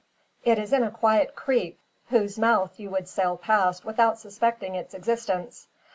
It is in a quiet creek, whose mouth you would sail past without suspecting its existence.